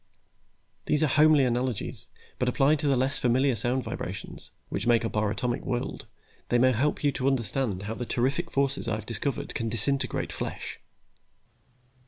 These are homely analogies, but applied to the less familiar sound vibrations, which make up our atomic world, they may help you to understand how the terrific forces I have discovered can disintegrate flesh."